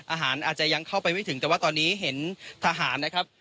อาจจะยังเข้าไปไม่ถึงแต่ว่าตอนนี้เห็นทหารนะครับ